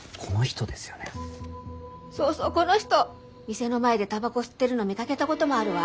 店の前でタバコ吸ってるの見かけたこともあるわ。